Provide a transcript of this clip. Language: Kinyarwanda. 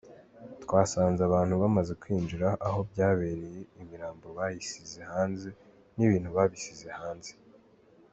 Twasanze abantu bamaze kwinjira aho byabereye, imirambo bayisize hanze n’ibintu babisize hanze.